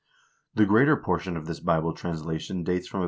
The greater portion of this Bible translation dates from about 1250.